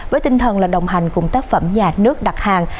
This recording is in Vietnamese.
với tinh thần là đồng hành cùng tác phẩm nhà nước đặt hàng